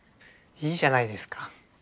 いいじゃないですか。